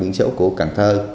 biển số của cần thơ